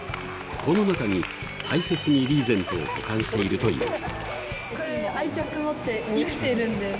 この中に、大切にリーゼントを保管しているという。